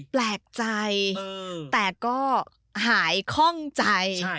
แปลกใจแต่ก็หายคล่องใจ